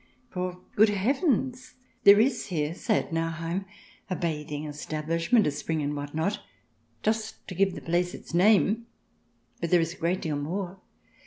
For, good heavens ! there is here, say at Nauheim, a bathing establishment, a spring, and what not, just to give the place its name, but there is a great deal more.